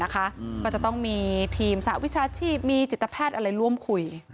ก็จะต้องมีทีมสหวิชาชีพมีจิตแพทย์อะไรร่วมคุย